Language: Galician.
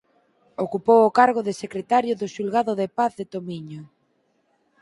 Ocupou o cargo de Secretario do Xulgado de Paz de Tomiño.